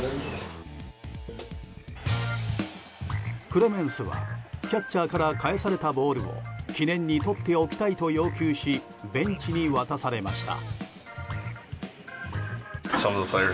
クレメンスはキャッチャーから返されたボールを記念にとっておきたいと要求しベンチに渡されました。